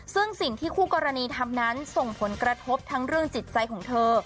ซึ่งสิ่งที่คู่กรณีทำนั้นส่งผลกระทบทั้งเรื่องจิตใจของเธอ